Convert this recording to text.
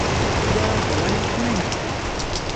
ଆଟିଗାଁ ଗଲାଣି କି ନାହିଁ?